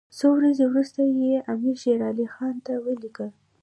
څو ورځې وروسته یې امیر شېر علي خان ته ولیکل.